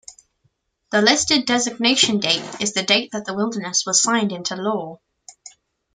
The listed designation date is the date that the wilderness was signed into law.